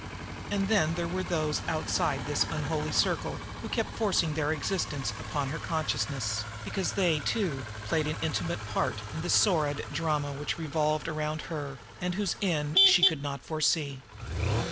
And then there were those outside this unholy circle who kept forcing their existence upon her consciousness, because they, too, played an intimate part in the sordid drama which revolved around her, and whose end she could not foresee.